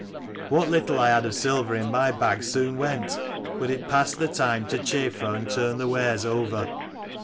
What little I had of silver in my bag soon went : but it passed the time to chaffer and turn the wares over.